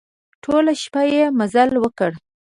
ټوله شپه يې مزل وکړ.